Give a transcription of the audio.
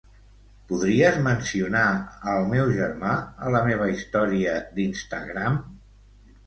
Podries mencionar al meu germà a la meva història d'Instagram?